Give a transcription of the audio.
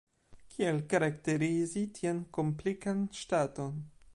Kiel karakterizi tian komplikan ŝtaton?